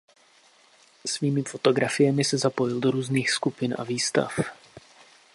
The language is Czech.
Svými fotografiemi se zapojil do různých skupin a výstav.